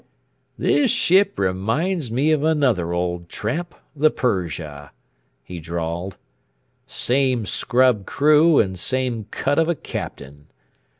"This ship reminds me of another old tramp, the Persia," he drawled. "Same scrub crew and same cut of a Captain.